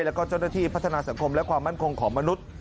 แล้วก็เจ้าหน้าที่พัฒนาสังคมและความมั่นคงของมนุษย์